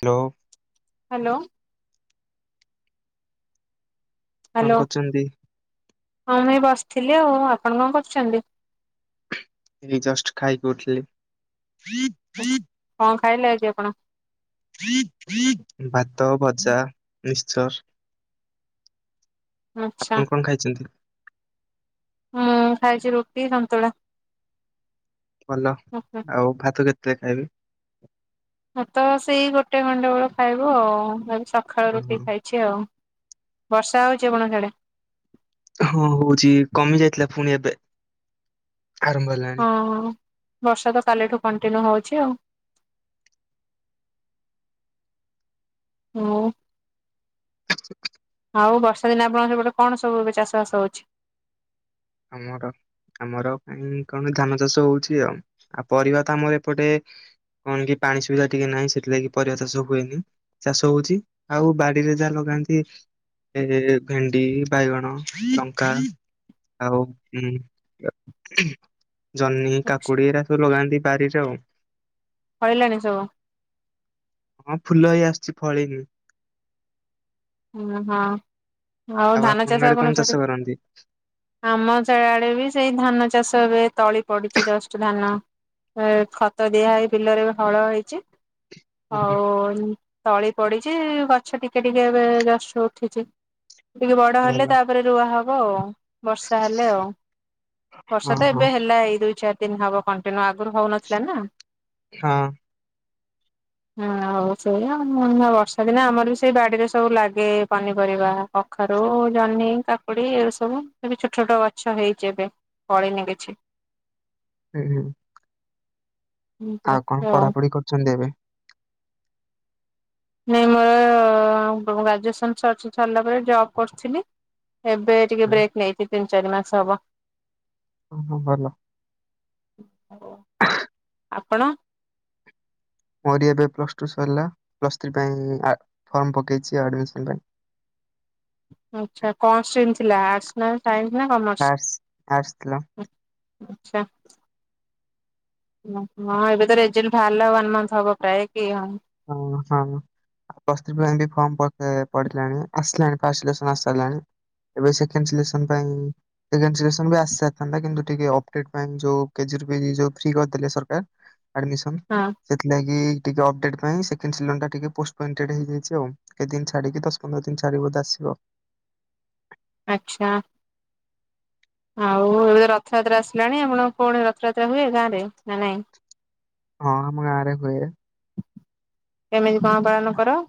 Hello. Hello. Hello କଣ କରୁଛନ୍ତି? ହଁ ମୁଇ ବସିଥିଲି ଆଉ ଆପଣ କଣ କରୁଛନ୍ତି? ଏଇ ଜଷ୍ଟ ଖାଇକି ଉଠିଲି। କଣ ଖାଇଲେ ଆଜି ଆପଣ? ଭାତ, ଭଜା, ମିକ୍ସଚର। ଆଚ୍ଛା ଆପଣ କଣ ଖାଇଛନ୍ତି? ହଁ ଖାଇଛି ରୁଟି ସନ୍ତୁଳା। ଭଲ ମୁଁ ଆଉ ଭାତ କେତେ ଖାଇବେ? ଭାତ ସେଇ ଗୋଟେ ଖଣ୍ଡେ ବେଳ ଖାଇବୁ ଆଉ ଏ ସକାଳୁ ହଁ ରୁଟି ହଁ ଖାଇବୁ। ଚି ଆଉ ବର୍ଷା ହେଉଛି ଆପଣଙ୍କ ସିଆଡେ? ହଁ ହଉଛି କମି ଯାଇଥିଲା ପୁଣି ଏବେ ଆରମ୍ଭ ହେଲାଣି। ହଁ ବର୍ଷା ତ କାଲିଠୁ କଣ୍ଟିନ୍ୟୁ ହଉଛି ଆଉ। ଆଉ [inaudible] ଆଉ ବର୍ଷା ଦିନେ ଆପଣଙ୍କ ସେପଟେ କଣ ସବୁ ଏବେ ଚାଷବାସ ହଉଛି? ଆମର ଆମର କାଇଁ କଣ ଧାନ ଚାଷ ହଉଛି ଆଉ ଆଉ ପରିବା ତ ଆମର ଏପଟେ କଣ କି ପାଣି ସୁବିଧା ଟିକେ ନାହିଁ ସେଥିଲାଗି ପରିବା ଚାଷ ହୁଏନି। ଚାଷ ହଉଛି ଆଉ ବାଡିରେ ଯାହା ଲଗାନ୍ତି। ଏ ଭେଣ୍ଡି, ବାଇଗଣ, ଲଙ୍କା। ଆଉ ଜହ୍ନି କାକୁଡି ଏରା ସବୁ ଲଗାନ୍ତି ବାରିରେ ଆଉ। ଫଳିଲାଣି ସବୁ। ହଁ ଫୁଲ ହଇ ଆସୁଛି ଫଳିନି। ଓ ହଁ ଆଉ ଧାନ ଚାଷ କଣ ସେଠି ଆମ ସେଆଡେ ବି ସେଇ ଧାନ ଚାଷ ଏବେ ତଳି ପଡିଛି ଜଷ୍ଟ ଧାନ। ଖତ ଦିଆହଇ ବିଲରେ ହଳ ହେଇଛି। ହୁଁ ହଉ ତଳି ପଡିଛି ଗଛ ଟିକେ ଟିକେ ଏବେ ଜଷ୍ଟ୍ ଉଠିଛି ଟିକେ ବଡ ହେଲେ ଭଲ ତାପରେ ରୁଆ ହବ ଆଉ। ବର୍ଷା ହେଲେ ଆଉ ହଁ ବର୍ଷା ତ ହଁ ଏବେ ହେଲା ଏଇ ଦୁଇ ଚାରି ଦିନ ହବ କଣ୍ଟିନ୍ୟୁ ଆଗରୁ ହଉନଥିଲା ନା। ହଁ ହଁ ହଉ ସେଇ ଆ ମ ବର୍ଷା ଦିନେ ଆମର ବି ସେଇ ବାଡିରେ ସବୁ ଲା ଗେ ପନିପରିବା କଖାରୁ, ଜହ୍ନି, କାକୁଡି ଏ ସବୁ ଏ ବି ଛୋଟ ଛୋଟ ଗଛ ହେଇଛି ଏବେ। ଫଳିନି କିଛି। ହୁଁ ହୁଁ [inaudible] ଆଉ କଣ ପଢାପଢି କରୁଛନ୍ତି ଏବେ? ନାଇଁ ମୋର ଗ୍ରାଜୁଏସନ ସରି ସରିଲା ପରେ ଜବ କରିଥିଲି ଏବେ ଟିକେ ବ୍ରେକ୍ ନେଇଛିି ତିନି ଚାରି ମାସ ହବ। ଓଁ ହଁ ଭଲ ଆଉ ଆପଣ? ମୋରି ଏବେ ପ୍ଲସ ଟୁ ସରିଲା ପ୍ଲସ ଥ୍ରୀ ପାଇଁ ଆ ଫର୍ମ ପକେଇଛି ଆଡମିସନ ପାଇଁ। ଆଛା କଣ ଷ୍ଟ୍ରିମ୍ ଥିଲା ଆର୍ଟସ ନା ସାଇନ୍ସ ନା କମର୍ସ? ଆର୍ଟସ ଆର୍ଟସ ଥିଲା ଆଚ୍ଛା ହଁ ଏବେ ତ ରେଜଲ୍ଟ ବାହାରିଲା ୱାନ୍ ମନ୍ଥ ହବ ପ୍ରାୟ କି ହଁ। ହଁ ହଁ ଆ ପ୍ଲସ୍ ଥ୍ରି ପିଲାଙ୍କ ବି ଫର୍ମ ପିକେ ପଡିଲାଣି ଆସିଲାଣି ଫସ ଲେଶନ ଆସି ସାରିଲାଣି। ଏବେ ସେକେଣ୍ଡ ସିଲେକସନ ପାଇଁ ସେକେଣ୍ଡ ସିଲେକ୍ସନ ବି ଆସିସରିଥାନ୍ତା କିନ୍ତୁ ଟିକେ ଅପଡେଟ୍ ପାଇ ଯୋଉ କେଜିରି ଫି ଯୋଉ ଫ୍ରୀ କରିଦେଲେ ସରକାର। ଆଡ଼ମିଶନ ହଁ ସେଥିଲାଗି ଟିକେ ଅପଡେଟ୍ ସେ ଟିକେ ପୋଏଣ୍ଟେଡ ହେଇଯାଇଛି ଆଉ କେଦିନ ଛାଡିକି ଦଶ ପନ୍ଦର ଦିନ ଛାଡିକି ବଧେ ଆସିବ। ଆଛା ଆଉ ଏବେ ରଥଯାତ୍ରା ଆସିଲାଣି ଆପଣ କଣ ରଥଯାତ୍ରା ହୁଏ ଗାଁରେ ନା ନାଇଁ? ହଁ ଆମ ଗାଁ ରେ ହୁଏ। କେମିତି କଣ ପାଳନ କର?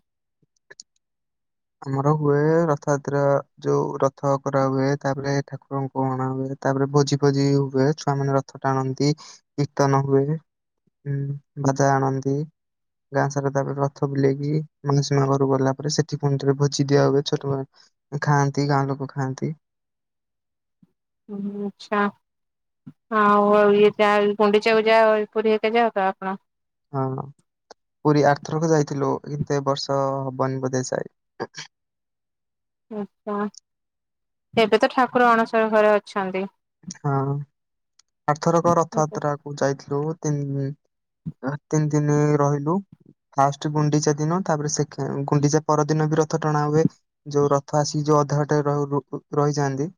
ଆମର ହୁଏ ରଥଯାତ୍ରା ଯଉ ରଥ କରାହୁୁଏ ତାପରେ ଠାକୁରଙ୍କୁ ପଣା ହୁଏ ତାପରେ ଭୋଜି ଫୁଜି ହୁଏ ଛୁଆ ମାନେ ରଥ ଟାଣନ୍ତି କୀର୍ତ୍ତନ ହୁଏ। ହୁଁ ବାଜା ଆଣନ୍ତି। ଗାଁ ସାରା ତାପରେ ରଥ ବୁଲେଇକି ମାନ ସୀମା ଘରକୁ ଗଲା ପରେ ସେଠ ପୁଣି ଥରେ ଭୋଜି ଦିଆ ହୁଏ, ଛୋଟବେ ଖାଆନ୍ତି ଗାଁ ଲୋକ ଖାଆନ୍ତି। ହ ଆଚ୍ଛା। ଆଉ ଇଏ ଯା ଗୁଣ୍ଡିଚାକୁ ଯାଅଉ ପୁରୀ ହେବେ ଯାଅ ତ ଆପଣ? ହଁ ପୁରୀ ଆରଥରକ ଯାଇଥିଲୁ କିନ୍ତୁ ଏ ବର୍ଷ ହବନି ବୋଧେ ଯାଏ। ଆଛା ଏବେ ତ ଠାକୁର ଅଣସର ଘରେ ଅଛନ୍ତି। ହଁ ଆରଥର କ ରଥଯାତ୍ରା କୁ ଯାଇଥିଲୁ ତିନ ଆ ତିନି ଦିନ ରହିଲୁ। ଫାଷ୍ଟ ଗୁଣ୍ଡିଚା ଦିନ ତାପରେ ସେକେଣ୍ଡ ଗୁଣ୍ଡିଚା ପରଦିନ ବି ରଥ ଟଣା ହୁଏ। ଯଉ ରଥ ଆସି ଯଉ ଅଧା ବାଟରେ ର ରୁ ରହିଯାନ୍ତି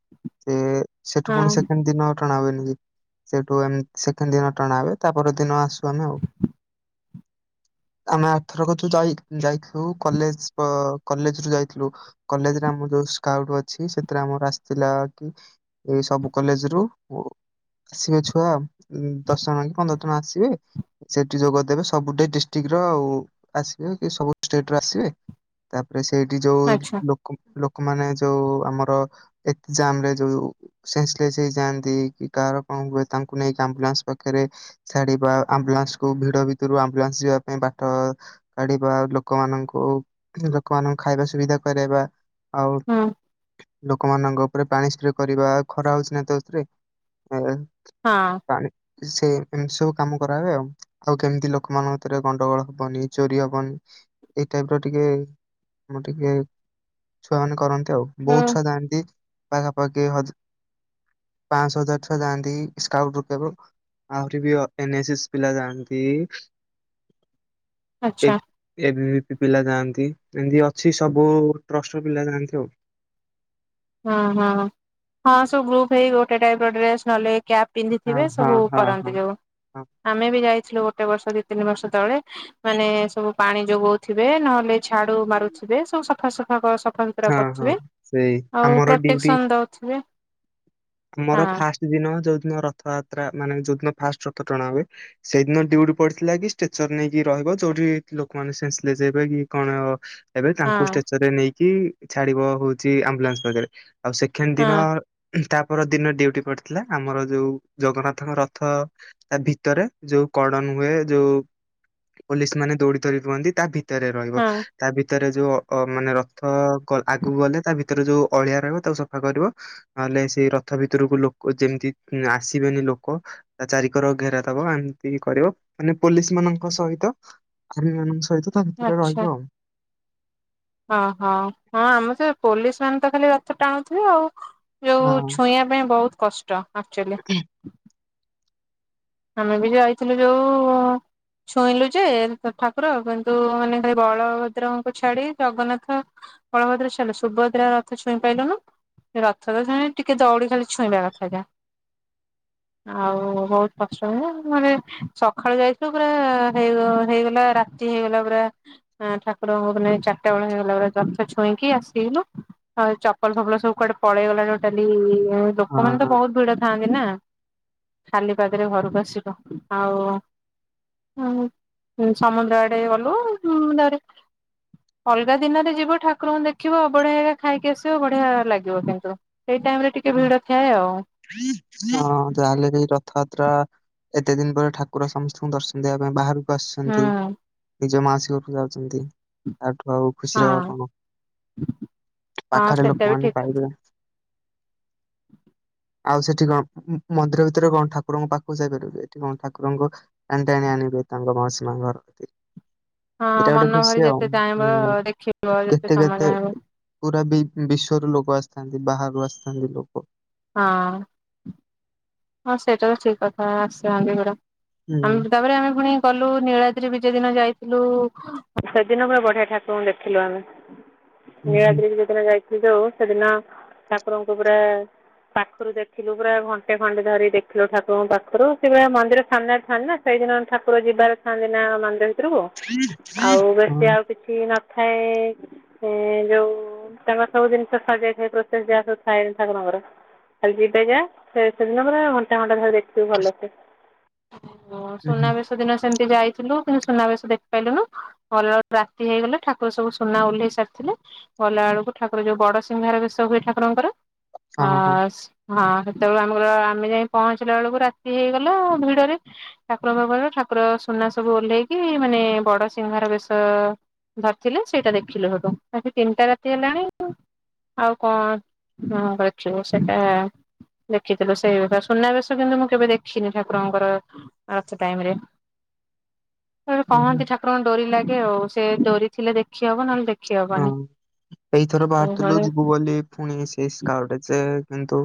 ସେ ଠୁ ପୁଣି ହଁ ସେକେଣ୍ଡ ଦିନ ଟଣା ହୁଏନି କି, ସେଠୁ ସେକଣ୍ଡ ଦିନ ଟଣା ହୁଏ ତାପର ଦିନ ଆସ ସୁ ଆମେ ଆଉ। ଆମେ ଆରଥର କୁ ଯାଇ ଯାଇଥିଲୁ କଲେଜ ପ କଲେଜରୁୁ ଯାଇଥିଲୁ। କଲେଜ ରେ ଆମର ଯଉ ସ୍କାଉଟ ଅଛି। ସେଥିରେ ଆମର ଆସିଥିଲା କି ଏଇ ସବୁ କଲେଜ ରୁ ଉ ଆସିବେ ଛୁଆ। ଦଶ ଜଣ କି ପନ୍ଦର ଜଣ ଆସିବେ। ସେଠି ଯୋଗଦେବେ। ସବୁଠେ ଡିଷ୍ଟ୍ରିକ୍ଟ ର ଆଉ ଆସିବେ କି ସବୁ ଷ୍ଟେଟ ର ଆସିବେ। ତାପରେ ସେଇଠି ଯୋଉ ଆଚ୍ଛା ଲୋ ଲୋକମାନେ ଯୋଉ ଆମର ଏକ୍ସାମରେ ଯୋଉ ସେନ୍ସଲେସ ହେଇଯାଆନ୍ତି, କି କାହାର କଣ ହୁଏ। ତାଙ୍କୁ ନେଇକି ଆମ୍ବୁଲାନ୍ସ ପାଖରେ ଛାଡିବା, ଆମ୍ବୁଲାନ୍ସକୁୁ ଭିଡ ଭିତରୁ ଆମ୍ବୁଲାନ୍ସ ଯିବା ପାଇଁ ବାଟ କାଢିବା ଲୋକମାନଙ୍କୁ, ଲୋକମାନଙ୍କୁ ଖାଇବା ସୁବିଧା କରେଇବା। ହୁଁ ଆଉଟୁ ଲୋକମାନଙ୍କ ଉପରେ ପାଣି ସ୍ପ୍ରେ କରିବା। ଖରା ହଉଛି ନା ତୋ ର୍ସେ ଏତ। ହଁ। ପାଣି ସେ ଏମିତି ସବୁ କାମ କରାହୁଏ। ଆଉ କେମିତି ଲୋକମାନଙ୍କ ଭିତରେ ଗଣ୍ଡଗୋଳ ହବନି, ଚୋରି ହବନି ଏଇ ଟାଇମ ର ଟିକେ ଆମ ଟିକେ ଛୁଆ ମାନେ କରନ୍ତି ଆଉ। ହୁଁ ବହୁତ ଛୁଆ ଯାଆନ୍ତି ପାଖାପାଖି ହଜ ପାଞ୍ଚଶହ ହଜାର ଛୁଆା ଯାଆନ୍ତି। ସ୍କାଉଟ ରୂପଦେବ। ଆହୁରି ବି ଅ ଏନ ଏ ଏସ୍ ପିଲା ଯାଆନ୍ତି। ଆଚ୍ଛା। ଏତ ଏ ବି ବି ପି ପିଲା ଯାଆନ୍ତି। ଏମିତି ଅଛି ସବୁ ଟ୍ରଷ୍ଟ ର ପିଲା ଯାଆନ୍ତି ଆଉ। ହଁ ହଁ ହଁ ସବୁ ଗ୍ରୁପ୍ ହେଇ ଗୋଟେ ଟାଇପ ର ଡ୍ରେସ ନହଲେ କ୍ୟାପ ହଁ ପିନ୍ଧିଥିବେ ହଁ ସବୁ ହଁ କରନ୍ତି ହଁ ଯୋଉ। ହଁ ଆମେ ବି ଯାଇଥିଲୁ ଗୋଟେ ବର୍ଷ ଦି ତିନି ବର୍ଷ ତଳେ। ମାନେ ସବୁ ପାଣି ଯୋଗଉଥିବେ, ନହେଲେ ଛାଡୁ ମାରୁଥିବେ, ସବୁ ସଫାସଫା କ ସଫା ସୁତୁରା ହଁ ହଁ କରୁଥିବେ। ସେଇ ଆଉ ଆମର ଡ୍ୟୁଟି। ପ୍ରୋଟେକ୍ସନ ଦଉଥିବେ ଆମର ହଁ ଫାଷ୍ଟ ଦିନ ଯୋଉଦିନ ରଥଯାତ୍ରା, ମାନେ ଯୋଉଦିନ ଫାଷ୍ଟ ରଥ ଟଣା ହୁଏ। ସେଇଦିନ ଡୁଟୀ ପଡିଥିଲା କି ଷ୍ଟେଚର ନେଇକି ରହିବ ଯୋଉଠି ଲୋକମାନେ ସେନ୍ସ ଲେସ ହେବେ କି କଣ ଏବେ ହଁ ତାଙ୍କୁ ଷ୍ଟେଚର ରେ ନେଇକି ଛାଡିବ ହଉଛି ଆମ୍ବୁଲାନ୍ସ ପାରେ ଆଉ ସେକେଣ୍ଡ ହଁ ଦିନ ତାପ ଦିନ ଡିଉଟି ପଡିଥିଲା। ଆମର ଯୋଉ ଜଗନ୍ନାଥଙ୍କ ରଥ ତା ଭିତରେ ଯୋଉ କଡନ ହୁଏ। ଯୋଉ ପୋଲିସ ମାନେ ଦୌଡି ଦୌଡି ରୁହନ୍ତି, ତା ଭିତ ଭିତରେ ରହିବ। ହଁ ତା ଭିତରେ ଯୋଉ ଅ ମାନେ ର ତ କ ଆଗକୁ ଗଲେ ତା ଭିତରେ ଯୋଉ ଅଳିଆ ରହବ, ତାକୁ ସଫା କରିବ। ନହେଲେ ସେଇ ରଥ ଭିତରକୁ ଲୋକ ଯେମିତି ଆସିବେନି ଲୋକ। ତା ଚାରିିକର ଘେରା ଦବ ଏମିତି କରିବ ମାନେ ପୋଲିସ ମାନଙ୍କ ସହିତ। କର୍ମିମାନଙ୍କ ସହିତ ତା ଭିତରେ ରହିବ ଆଉ। ଅ ହଁ ହଁ ଆମେତ ସେ ପୋଲିସ ମାନେ ତ ଖାଲି ରଥ ଟାଣୁଥିବେ ଆଉ। ଯୋଉ ଛୁଇଁବା ପାଇଁ ବହୁତ କଷ୍ଟ ଆକ୍ଚୁଆଲି। ଆମେ ବି ଯାଇଥିଲୁ ଯୋଉ ଛୁଇଁଲୁ ଯେ, ଠାକୁର କିନ୍ତୁ ମାନେ ଖାଲି ବଳଭଦ୍ରଙ୍କୁ ଛାଡି ଜଗନ୍ନାଥ ବଳଭଦ୍ରା ଛାଲୁ ସୁଭଦ୍ରା ରଥ ଛୁଇଁ ପାଇଲିନୁ ରଥରେ ଶୁଣି ଟିକେ ଦଉଡି ଖାଲି ଛୁଇଁବା କଥା ଯା ଆଉ ହଉତ କଷ୍ଟ ମାନେ ସକାଳୁ ଯାଇଛୁ ପୁରା ହେଇ ହେଇଗଲା ରାତି ହେଇଗଲା ପୁରା। ହ ଠାକୁରଙ୍କଙ୍କୁ ଚାରିଟା ବେଳ ହେଇଗଲା ପରେ ରଥ ଛୁଇଁକି ଆସିଲୁ। ହଉ ଚପଲ ଫପଲ ସବୁ କୁଆଡେ ପଳେଇଗଲା ଚାଲି ହଁ ଲୋକମାନେ ତ ବହୁତ ଭିଡ ଥାଆନ୍ତି ନା ଖାଲି ପାଦରେ ଘରକୁ ଆସିବ। ଆଉ ହୁଁ ସମୁଦ୍ର ଆଡେ ଗଲୁ ଉଁଦାରେ ଅଲଗା ଦିନରେ ଯିବ ଠାକୁରଙ୍କୁ ଦେଖିବ ଅଭଡାହେଇକା ଖାଇକି ଆସିବ ବଢିଆ ଲାଗିବ କିନ୍ତୁ। ସେଇ ଟାଇମ ରେ ଟିକେ ହଁ ଭିଡ ଥାଏ ଆଉ। ହଁ ଯାହାହେଲେ ବି ରଥଯାତ୍ରା ଏତେ ଦିନ ପରେ ଠାକୁର ସମସ୍ତଙ୍କୁ ଦର୍ଶନ ଦେବା ପାଇଁ ବାହାରୁ ହୁଁ ବାସୁଛନ୍ତି ନିଜ ମାଉସୀ ଘରକୁ ଯାଉଛନ୍ତି ଆଠୁ ଆଉ ହଁ ଖୁସିର କଣ ହଁ ପାଖରେ ସେଟା ବି ଲୋକମାନେ ଠିକ କଥା। ପାଇବେ ଆଉ ସେଠି କଣ ମନ୍ଦିର ଭିତରେ କଣ ଠାକୁରଙ୍କ ପାଖକୁ ଯାଇପାରିବ ଏଠି କଣ ଠାକୁରଙ୍କ ଟାଣି ଟାଣି ଆଣିବେ ତାଙ୍କ ମାଉସୀ ମା ଘର କତିକି। ହଁ ଏଇଟା ଗୋଟେ ମନ ଭରି ଖୁସି ଆଉ ଯେତେ ଚାହିଁବ ହୁଁ ଦେଖିବ ଯେତେ କେତେ ସମୟ କେତେ ଚାହିଁବ ପୁରା ବି ବିଶ୍ଵରୁ ଲୋକ ଆସିଥାନ୍ତି ବାହରୁ ଆସିଥାନ୍ତି ଲୋକ। ହଁ। ହଁ ସେଇଟା ତ ଠିକ କଥା ଆସିଥାନ୍ତି ଏ ଗୁଟା ହୁଁ ଆମେ ତାପରେ ଆମେ ପୁଣି କଲୁ ନୀଳାଦ୍ରି ବିଜେ ଦିନ ଯାଇଥିଲୁ ସେଦିନ ପୁରା ବଢିଆ ଠାକୁରଙ୍କୁ ଦେଖିଲୁ ଆମେ। ହୁଁ ହୁଁ। ନୀଳାଦ୍ରି ବିଜେ ଦିନ ଯାଇଥିଲି ଯୋଉ ସେଦିନ ଠାକୁରଙ୍କୁ ପୁରା ପାଖରୁ ଦେଖିଲୁ ପୁରା ଘଣ୍ଟେ। ଘଣ୍ଟେ ଧରି ଦେଖିଲୁ ଠାକୁରଙ୍କୁ ପାଖରୁ ସେପୁରା ମନ୍ଦିର ସାମ୍ନାରେ ଥାଆନ୍ତି ନା ସେଇଦିନ ଠାକୁର ଯିବାର ଥାନ୍ତି ନା ମନ୍ଦିର ଭିତରକୁ ଆଉ ହଁ ବେଶୀ ଆଉ କିଛି ନଥାଏ। ଏ ଯୋଉ ତାଙ୍କର ସବୁ ଜିନିଷ ସରିଯାଇଥାଏ ପ୍ରୋସେସ ଯାହା ସବୁ ଥାଏ ଠାକୁରଙ୍କର। ଖାଲି ଯିବେ ଗା ସେ ସେଦିନ ପୁରା ଘଣ୍ଟା ଘଣ୍ଟା ଧରି ଦେଖିବୁ ଭଲସେ। ଓ ହୁଁ ସୁନାବେଶ ଦିନ ସେମିତି ଯାଇଥିଲୁ କିନ୍ତୁ ସୁନାବେଶ ଦେଖିପାଇଲୁନୁ ଗଲା ବେଳକୁ ରାତି ହେଇଗଲା ଠାକୁର ସବୁ ସୁନା ଓହ୍ଲେଇ ସାରିଥିଲେ। ଗଲା ବେଳକୁ ଠାକୁର ଯୋଉ ବଡ ସିଂହାର ବେଶ ହୁଏ ଠାକୁରଙ୍କର ଆ ହଁ ହଁ ହଁ ସେତେବେଳେ ଆ ମୁଁ ଗଲା ଆମେ ଯାଇ ପହଞ୍ଚିଲା ବେଳକୁ ରାତି ହେଇଗଲା ଭିଡରେ ଠାକୁରଙ୍କ [unintelligible] ଠାକୁର ସୁନା ସବୁ ଓହ୍ଲେଇକି ମାନେ ବଡ ସିଂହାର ବେଶ ଧରିଥିଲେ ସେଇଟା ଦେଖିଲୁ ସେଠୁ ରାତି ତିନିଟା ରାତି ହେଲାଣି ଆଉ ଆଉ କଣ [unintelligible] ସେଟା ଦେଖିଥିଲୁ ସେଇ ବେଶ ସୁନାବେଶ କିନ୍ତୁ ମୁଁ କେବେ ଦେଖିନି ଠାକୁରଙ୍କର ରଥ ଟାଇମ ରେ। ଏ ଯୋଉ ହୁଁ କହନ୍ତି ଠାକୁରଙ୍କ ଡୋରି ଲାଗେ ଆଉ ସେ ଡୋରି ଥିଲେ ଦେଖି ହବ ନହେଲେ ଦେଖ ହଁ ଏଇଥର ବାହାରିଥିଲୁ ଏଇଭଳି ଯିବୁ ବୋଲି ଫୁଣି ସେଇ ସ୍କାର୍ଭ ଯେ କିନ୍ତୁ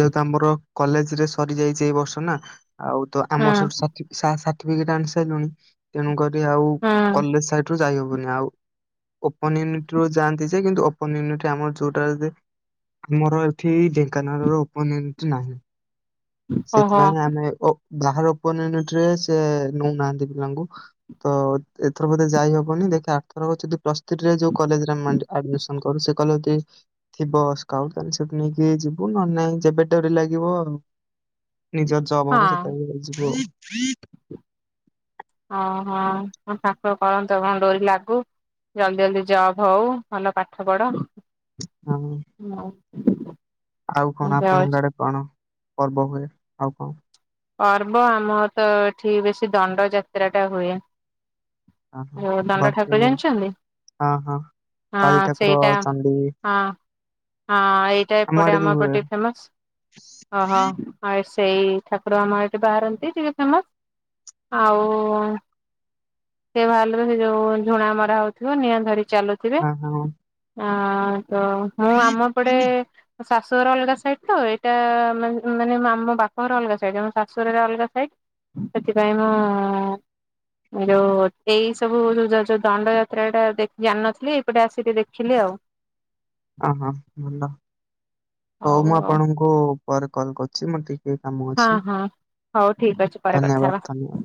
ଯେହେତୁ ଆମର କଲେଜ ରେ ସରିଯାଇଛି ଏଇ ବର୍ଷ ନା ଆଉ ତ ହୁଁ ଆମର ସବୁ ସ ସା ସାର୍ଟିଫିକେଟ ଆଣି ସାଇଲୁଣି ତେଣୁକରି ଆଉ ହୁଁ କଲେଜ ସାଇଟ ରୁ ଯାଇହବନି ଆଉ। ଓପନ ୟୁନିଟ ରୁ ଯାଆନ୍ତି ଯେ କିନ୍ତୁ ଓପନ ୟୁନିଟ ଆମର ଯୋଉଟାରେ ଦେ ଆମର ଏଠି ଢେଙ୍କାନାଳ ର ଓପନ ୟୁନିଟ ନାହିଁ। ଓହୋ ସେଥିପାଇଁ ଆମେ ଓ ଯାହାର ଓପନ ୟୁନିଟରେ ସେ ନେଉନାହାନ୍ତି ପିଲାଙ୍କୁ। ତ ଏଥର ବୋଧେ ଯାଇ ହବନି ଦେଖା ଆଠଥରକ ଯଦି ପରେ [unintelligible] ଆମେ ମାଣ୍ଡୁ ଆଡମିସନ କରୁ ସେ କଲେଜ ରେ ଥିବ ସ୍କାଉଟ [unintelligible] ନେଇକି ଯିବୁ ନହେଲେ ନାଇଁ ଯେବେ ଡୋରି ଲାଗିବ ଆଉ। ନିଜର ଜବ ହବ ହଁ। ସେତେବେଳେ ଯାଇକି ଯିବୁ ଆଉ। ହଁ ହଁ ଠାକୁର କରନ୍ତୁ ଆପଣଙ୍କ ଡୋରି ଲାଗୁ ଜଲଦି ଜଲଦି ଜବ୍ ହଉ ଭଲ ପାଠ ପଢ ହଁ। ହଉ। ଆଉ କଣ ଆପଣଙ୍କ ଆଡେ କଣ ପର୍ବ ହୁଏ ଆଉ କଣ? ପର୍ବ ଆମର ତ ଏଠି ବେଶିି ଦଣ୍ଡ ଯାତ୍ରା ଟା ହୁଏ। ହଁ ହଁ ଓ ଦଣ୍ଡ ଭଲସେ ଠାକୁର ହୁଏ। ଜାଣିଚନ୍ତି। ହଁ ହଁ କାଳି ଠାକୁର, ଚଣ୍ଡୀ, ହଁ ହଁ ଏଇଟା ଆମ ଏପଟେ ଆଡେ ବି ହୁଏ ଆମପଟେ ଫେମସ୍। ଓହୋ। ଆଉ ସେଇ ଠାକୁର ଆମ ଏଠି ବାହାରନ୍ତି ଟିକେ ଫେମସ୍। ଆଉ ସେ ବାହାରିଲେ ସେ ଯୋଉ ଝୁଣା ମରା ହଉଥିବ, ନିଆଁ ଧରି ଚାଲୁ ହଁ ହଁ। ଆଁ ତ ମୁଁ ଆମ ଏପଟେ ଶାଶୁ ଘର ଅଲଗା ସାଇଡ୍ ତ। ଏଇଟା ମାନେ ମାନେ ଆମ ବାପ ଘର ଅଲଗା ସେ ଯୋଗୁ ଶାଶୁ ଘର ଅଲଗା ସାଇଡ୍। ସେଥିପାଇଁ ମୁଁ ଯୋଉ ଏଇ ସବୁ ଯ-ଯ-ଯ-ଯୋଉ ଦାଣ୍ଡ ଯାତ୍ରା ଟା ଦେ ଜାଣିନଥିଲି। ଏଇପଟେ ଆସି ଟିକେ ଦେଖିଲି ଆଉ। ଓହୋ ଭଲ। ହଉ ମୁଁ ଆପଣଙ୍କୁ ପରେ କଲ କରୁଚି। ମୋର ଟି ହଁ ହଁ ହଉ। ଠିକ୍ ଅଛି। ପରେ କଥା ହବା। ଧନ୍ୟବାଦ। ଧନ୍ୟବାଦ।